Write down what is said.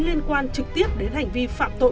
liên quan trực tiếp đến hành vi phạm tội